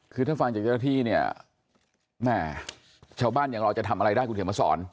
คือถ้าฟังจากเจ้าหน้าที่เนี่ยแม่ชาวบ้านอย่างเราจะทำอะไรได้คุณเขียนมาสอน